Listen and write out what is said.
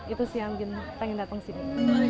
itu sih yang pengen datang sini